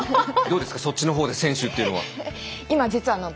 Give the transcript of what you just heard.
どうですかそっちのほうで選手というのは。